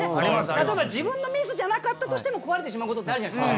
例えば自分のミスじゃなかったとしても壊れてしまうことってあるじゃないですか。